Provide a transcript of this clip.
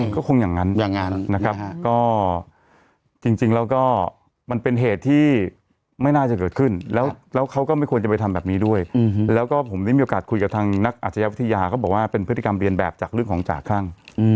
ก็คงอย่างนั้นอย่างนั้นนะครับก็จริงแล้วก็มันเป็นเหตุที่ไม่น่าจะเกิดขึ้นแล้วเขาก็ไม่ควรจะไปทำแบบนี้ด้วยแล้วก็ผมได้มีโอกาสคุยกับทางนักอาชญาวิทยาก็บอกว่าเป็นพฤติกรรมเรียนแบบจากเรื่องของจ่าคลั่ง